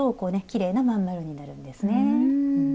きれいな真ん丸になるんですね。